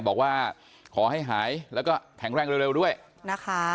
บอกว่าขอให้หายแล้วก็แข็งแรงเร็วด้วยนะคะ